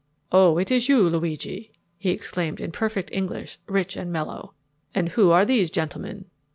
"Oh, it is you, Luigi," he exclaimed in perfect English, rich and mellow. "And who are these gentlemen?"